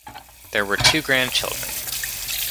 There were two grandchildren.